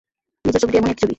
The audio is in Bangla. নিচের ছবিটি এমনই একটি ছবি।